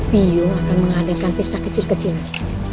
bio akan mengadakan pesta kecil kecilan